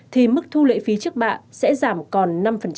thì mức thu lệ phí trước bạ sẽ giảm còn năm